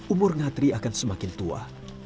umur ngatri akan semakin tua